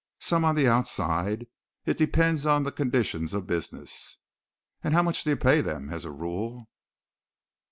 "Some on the outside. It depends on the condition of business." "And how much do you pay them, as a rule?"